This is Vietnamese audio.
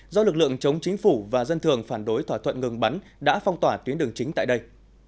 do lực lượng chống chính phủ và dân thường phản đối thỏa thuận ngừng bắn đã phong tỏa tuyến đường chính tại đây